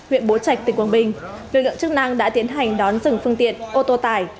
huyện bố trạch tỉnh quảng bình lực lượng chức năng đã tiến hành đón dừng phương tiện ô tô tải